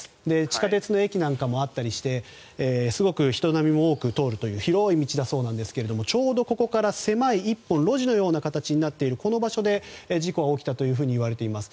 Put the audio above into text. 地下鉄の駅などもあったりしてすごく人も多く通る広い道だそうですが狭い１本路地のような形になっているこの場所で事故が起きたといわれています。